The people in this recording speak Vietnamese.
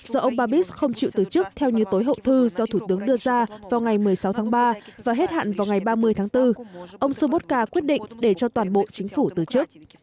do ông babis không chịu từ chức theo như tối hậu thư do thủ tướng đưa ra vào ngày một mươi sáu tháng ba và hết hạn vào ngày ba mươi tháng bốn ông sôbotca quyết định để cho toàn bộ chính phủ từ chức